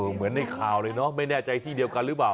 เหมือนในข่าวเลยเนอะไม่แน่ใจที่เดียวกันหรือเปล่า